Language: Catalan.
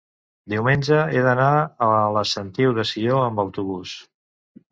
diumenge he d'anar a la Sentiu de Sió amb autobús.